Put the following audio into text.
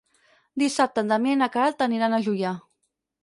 Dissabte en Damià i na Queralt aniran a Juià.